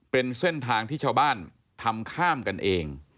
เป็นเส้นทางที่ชาวบ้านทำข้ามกันเอง